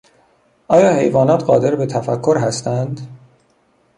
آیا حیوانات قادر به تفکر هستند؟